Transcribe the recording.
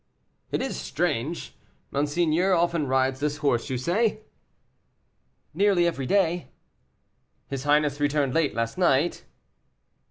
"It is strange. Monseigneur often rides this horse, you say?" "Nearly every day." "His highness returned late last night?"